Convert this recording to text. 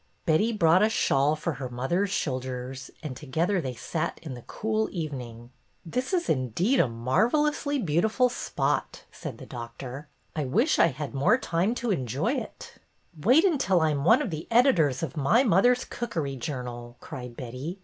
Betty brought a shawl for her mother's shoulders, and together they sat in the cooling evening. " This is indeed a marvellously beautiful spot," A RETURNED MANUSCRIPT iii said the doctor. '' I wish I had more time to enjoy it" Wait until I am one of the editors of My Mother's Cookery Journal/' cried Betty.